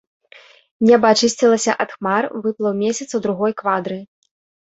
Неба ачысцілася ад хмар, выплыў месяц у другой квадры.